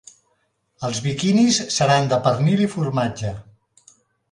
Els biquinis seran de pernil i formatge.